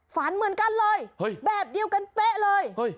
ฝันเหมือนกันเลยแบบเดียวกันเป๊ะเลย